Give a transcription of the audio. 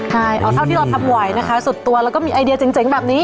ใช่เอาเท่าที่เราทำไหวนะคะสุดตัวแล้วก็มีไอเดียเจ๋งแบบนี้